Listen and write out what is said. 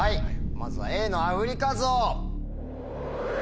まずはＡのアフリカゾウ。